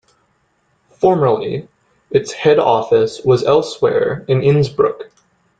Formerly its head office was elsewhere in Innsbruck.